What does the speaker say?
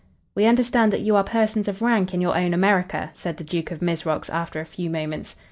"We understand that you are persons of rank in your own America?" said the Duke of Mizrox, after a few moments.